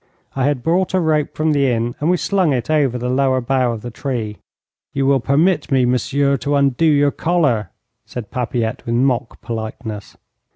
I had brought a rope from the inn, and we slung it over the lower bough of the tree. 'You will permit me, monsieur, to undo your collar,' said Papilette, with mock politeness.